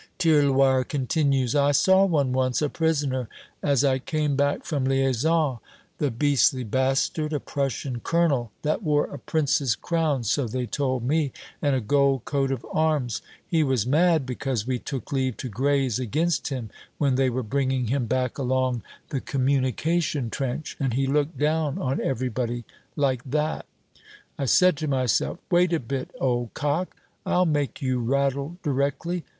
Tirloir continues: "I saw one once, a prisoner, as I came back from liaison. The beastly bastard! A Prussian colonel, that wore a prince's crown, so they told me, and a gold coat of arms. He was mad because we took leave to graze against him when they were bringing him back along the communication trench, and he looked down on everybody like that. I said to myself, 'Wait a bit, old cock, I'll make you rattle directly!'